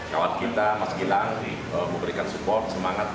kawat kita mas gilang memberikan support semangat